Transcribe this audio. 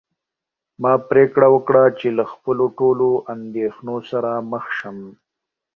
ما پرېکړه وکړه چې له خپلو ټولو اندېښنو سره مخ شم.